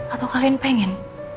atau kalian pengen